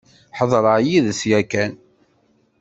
Heḍṛeɣ yid-s yakan.